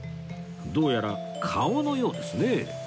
どうやら顔のようですね